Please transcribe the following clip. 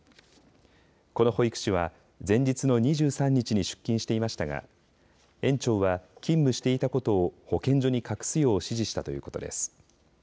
この保育士は前日の２３日に出勤していましたが園長は勤務していたことを保健所に隠すよう指示したということです。